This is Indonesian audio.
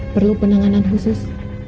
perlu penanganan khusus